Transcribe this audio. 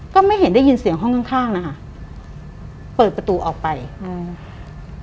ก็ไม่เห็นได้ยินเสียงห้องข้างข้างนะคะเปิดประตูออกไปอืม